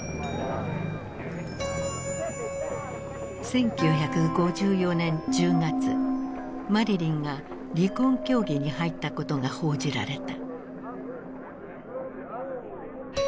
１９５４年１０月マリリンが離婚協議に入ったことが報じられた。